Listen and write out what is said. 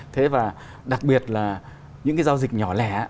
thế và đặc biệt là những cái giao dịch nhỏ lẻ